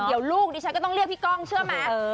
เดี๋ยวลูกดิฉันก็ต้องเรียกพี่ก้องเชื่อไหม